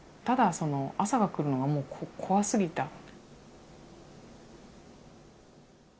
ただその朝が来るのがもう怖すぎた。